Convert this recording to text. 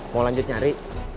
mau lanjut nyari